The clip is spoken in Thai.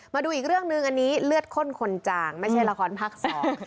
มาดูอีกเรื่องหนึ่งอันนี้เลือดข้นคนจ่างไม่ใช่ละครภาคสอง